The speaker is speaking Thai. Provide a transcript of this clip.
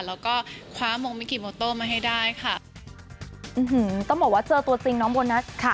แล้วก็คว้ามงมิกิโมโต้มาให้ได้ค่ะต้องบอกว่าเจอตัวจริงน้องโบนัสค่ะ